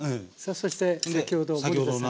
そして先ほど森田さんが作った。